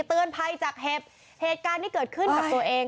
เตือนภัยจากเหตุการณ์ที่เกิดขึ้นกับตัวเอง